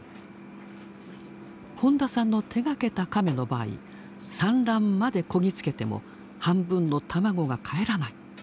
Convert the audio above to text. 本田さんの手がけたカメの場合産卵までこぎ着けても半分の卵がかえらない。